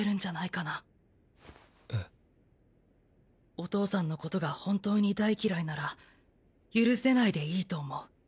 お父さんのことが本当に大嫌いなら「許せない」でいいと思う。